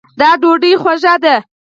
دا ډوډۍ خوږه ده